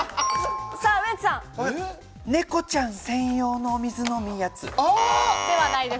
猫ちゃん専用のお水飲むやつ。